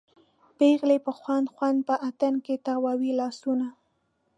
پیغلې په خوند خوند په اتڼ کې تاووي لاسونه